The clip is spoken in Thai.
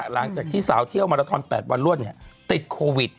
หลังจากที่สาวเที่ยวมาราทอน๘วันรวดติดโควิด